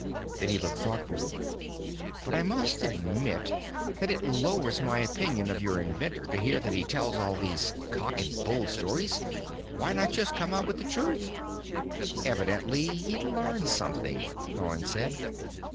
Then he looked thoughtful. "But I must admit that it lowers my opinion of your inventor to hear that he tells all these cock and bull stories. Why not just come out with the truth?" "Evidently he'd learned something," Thorn said.